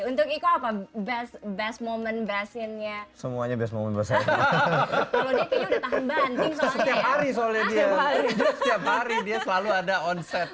untuk ikut best best moment basinnya semuanya bisa semoga setiap hari dia selalu ada on set